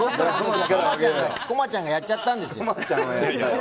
駒ちゃんがやっちゃったんですよ。